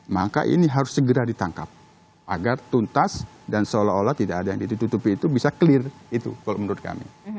maka ini harus segera ditangkap agar tuntas dan seolah olah tidak ada yang ditutupi itu bisa clear itu kalau menurut kami